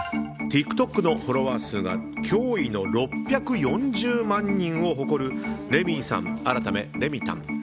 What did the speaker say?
ＴｉｋＴｏｋのフォロワー数が驚異の６４０万人を誇るレミイさん、改めレミたん。